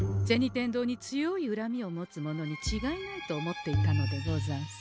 天堂に強いうらみを持つ者にちがいないと思っていたのでござんす。